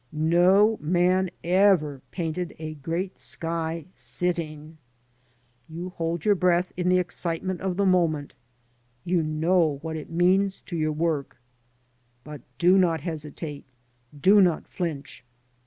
No man ever painted a great sky sitting. You hold your breath in the excitement of the moment, you know what it means to your work; but do not hesitate, do not flinch.